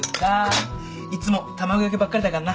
いつも卵焼きばっかりだかんな。